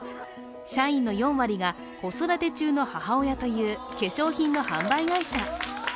社員の４割が子育て中の母親という化粧品の販売会社。